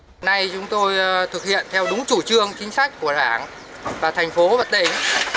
hôm nay chúng tôi thực hiện theo đúng chủ trương chính sách của đảng và thành phố và tỉnh